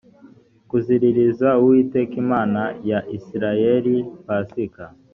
kuziriririza uwiteka imana ya isirayeli pasika